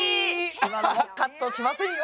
今のはカットしませんよ！